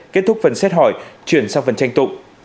kết thúc phần xét hỏi chuyển sang phần tranh tụ